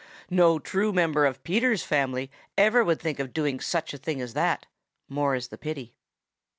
No true member of Peter's family ever would think of doing such a thing as that, more is the pity.